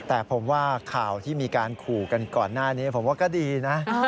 แต่ผมว่าข่าวที่มีการขู่กันก่อนหน้านี้ผมว่าก็ดีนะ